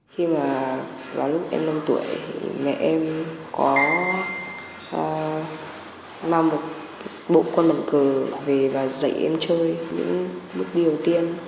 khi mà vào lúc em năm tuổi mẹ em có mang một bộ quân mặt cờ về và dạy em chơi những bước đầu tiên